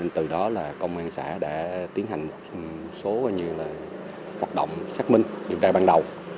từ đó là công an xã đã tiến hành một số hoạt động xác minh điều tra ban đầu